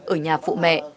ở nhà phụ mẹ